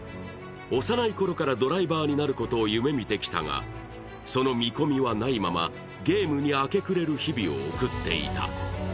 幼いころからドライバーになることを夢見てきたがその見込みはないまま、ゲームに明け暮れる日々を送っていた。